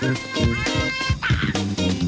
ข้าวใส่ไทยสอบกว่าใครใหม่กว่าเดิมค่อยเมื่อล่า